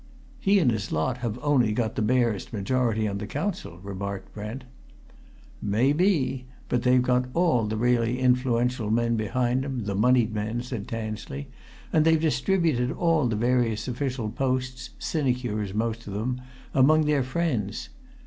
"He and his lot have only got the barest majority on the Council," remarked Brent. "Maybe; but they've got all the really influential men behind 'em, the moneyed men," said Tansley. "And they've distributed all the various official posts, sinecures most of 'em, amongst their friends.